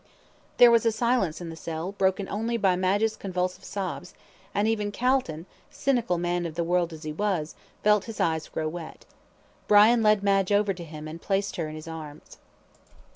There was a silence in the cell, broken only by Madge's convulsive sobs, and even Calton, cynical man of the world as he was, felt his eyes grow wet. Brian led Madge over to him, and placed her in his arms.